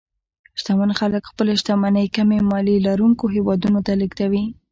شتمن خلک خپلې شتمنۍ کمې مالیې لرونکو هېوادونو ته لېږدوي.